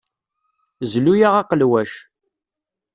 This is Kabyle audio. Zlu-aɣ aqelwac.